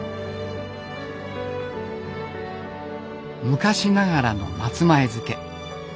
昔ながらの松前漬。